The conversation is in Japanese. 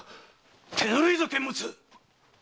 手ぬるいぞ監物！